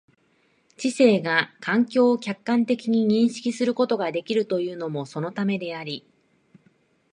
知性が環境を客観的に認識することができるというのもそのためであり、